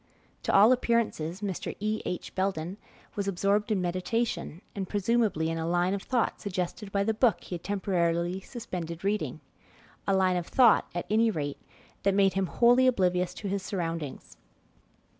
To all appearances, Mr. E. H. Belden was absorbed in meditation, and presumably in a line of thought suggested by the book be had temporarily suspended reading a line of thought, at any rate, that made him wholly oblivious to his surroundings.